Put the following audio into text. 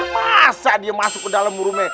masa dia masuk ke dalam rume